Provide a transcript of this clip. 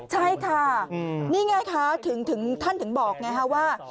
ใช่ค่ะนี่ไงคะถึงท่านถึงบอกไงฮะว่า